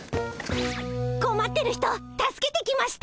こまってる人助けてきました！